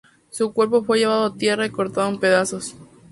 Su cuerpo fue llevado a tierra y cortado en pedazos.